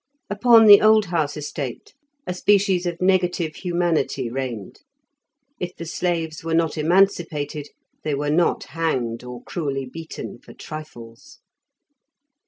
Upon the Old House estate a species of negative humanity reigned; if the slaves were not emancipated, they were not hanged or cruelly beaten for trifles.